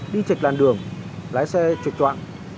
đi trệch làn đường lái xe trượt trọn